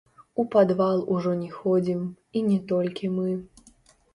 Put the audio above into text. У падвал ужо не ходзім, і не толькі мы.